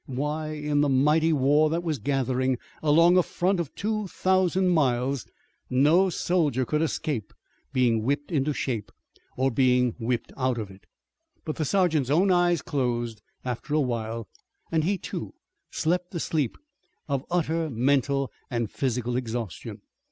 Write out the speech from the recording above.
Why, in the mighty war that was gathering along a front of two thousand miles no soldier could escape being whipped into shape, or being whipped out of it. But the sergeant's own eyes closed after a while, and he, too, slept the sleep of utter mental and physical exhaustion.